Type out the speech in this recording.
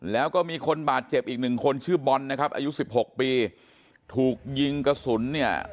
แล้วก็มีคนบาดเจ็บอีกหนึ่งคนชื่อบอลนะครับอายุสิบหกปีถูกยิงกระสุนเนี่ย